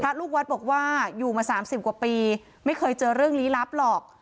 ลูกวัดบอกว่าอยู่มา๓๐กว่าปีไม่เคยเจอเรื่องลี้ลับหรอก